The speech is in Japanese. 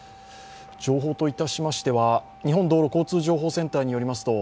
情報といたしましては、日本道路交通情報センターによりますと